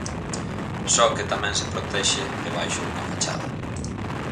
Só que tamén se protexe debaixo dunha fachada.